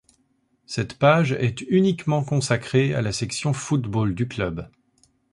Cette page est uniquement consacrée à la section football du club.